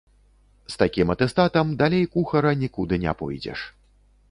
З такім атэстатам далей кухара нікуды не пойдзеш.